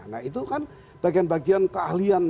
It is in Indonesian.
nah itu kan bagian bagian keahlian